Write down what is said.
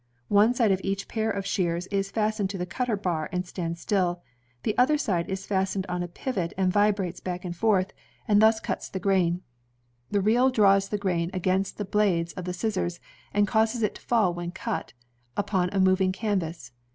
One side of each pair of shears is fastened to the cutter bar and stands still; the other side is fastened on a pivot and vibrates back and forth, and 146 INVENTIONS OF MANUFACTURE AND PRODUCTION thus cuts the grain. The reel draws the grain against the blades of the scissors, and causes it to fall, when cut, upon a moving canvas.